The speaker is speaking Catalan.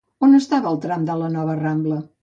On estava el tram de la nova Rambla?